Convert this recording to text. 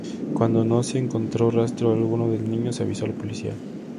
Cuando no se encontró rastro alguno del niño, se avisó a la policía.